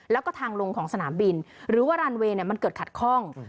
แล้วก็ทางลงของสนามบินหรือว่ารันเวย์มันเกิดขัดข้อง